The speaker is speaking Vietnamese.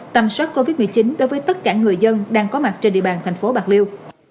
tầm soát covid một mươi chín đối với tất cả người dân đang có mặt trên địa bàn thành phố bạc liêu